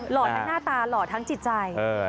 ทั้งหน้าตาหล่อทั้งจิตใจ